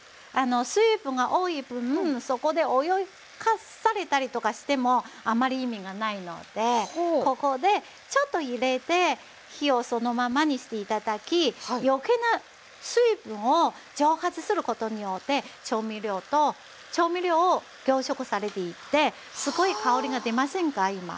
水分が多い分そこで泳がされたりとかしてもあまり意味がないのでここでちょっと入れて火をそのままにして頂き余計な水分を蒸発することによって調味料を凝縮されていってすごい香りが出ませんか今。